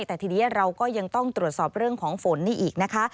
แต่ทีนี้เราก็ยังต้องตรวจสอบเรื่องของฝนนี่อีกนะคะ